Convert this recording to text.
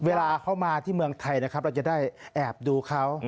เวลาเข้ามาที่เมืองไทยนะครับเราจะได้แอบดูเขา